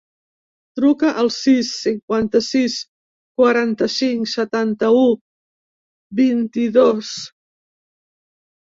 Truca al sis, cinquanta-sis, quaranta-cinc, setanta-u, vint-i-dos.